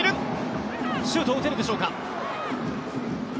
シュートを打てるでしょうか。